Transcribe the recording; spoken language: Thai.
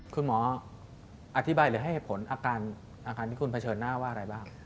คุณหมออธิบายหรือให้เหตุผลอาการที่คุณเผชิญหน้าว่าอะไรบ้าง